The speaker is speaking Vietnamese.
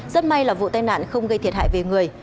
rất may là vụ tai nạn không gây thiệt hại về người